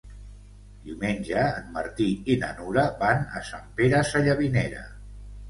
Diumenge en Martí i na Nura van a Sant Pere Sallavinera.